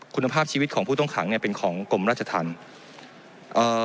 คุณภาพชีวิตของผู้ต้องขังเนี่ยเป็นของกรมราชธรรมเอ่อ